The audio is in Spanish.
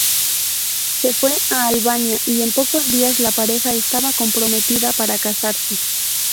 Se fue a Albania y en pocos días la pareja estaba comprometida para casarse.